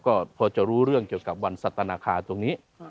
ก็พอจะรู้เรื่องเกี่ยวกับวันสัตนาคารตรงนี้